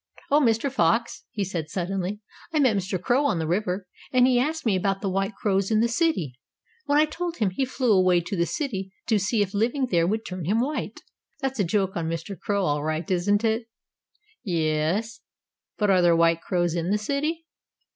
"Oh, Mr. Fox," he said suddenly, "I met Mr. Crow on the river, and he asked me about the white crows in the city. When I told him, he flew away to the city to see if living there would turn him white. That's a joke on Mr. Crow all right, isn't it?" "Yes but are there white crows in the city?"